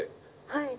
はい。